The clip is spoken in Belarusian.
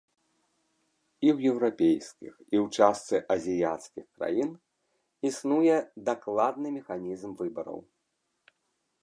І ў еўрапейскіх, і ў частцы азіяцкіх краін існуе дакладны механізм выбараў.